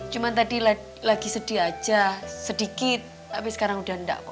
cuman tadi sedikit sedikit sedikit tapi sekarang udah enggak kok